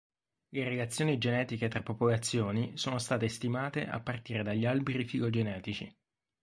Le relazioni genetiche tra popolazioni sono state stimate a partire dagli alberi filogenetici.